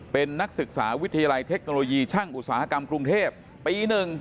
เป็นนักศึกษาวิทยาลัยเทคโนโลยีช่างอุตสาหกรรมกรุงเทพปี๑